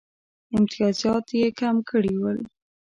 امتیازات یې کم کړي ول.